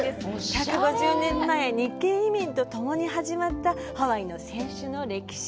１５０年前日系移民と共に始まったハワイの清酒の歴史。